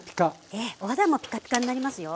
ええお肌もピカピカになりますよ。